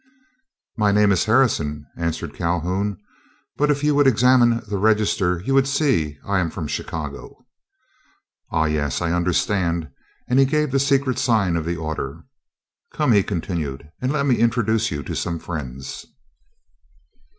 "My name is Harrison," answered Calhoun, "but if you would examine the register you would see I am from Chicago." "Ah, yes, I understand," and he gave the secret sign of the order. "Come," he continued, "and let me introduce you to some friends."